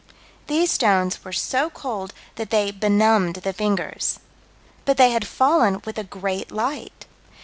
These stones were so cold that they benumbed the fingers. But they had fallen with a great light.